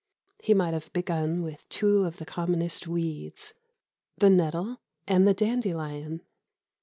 He might have begun with two of the commonest weeds, the nettle and the dandelion.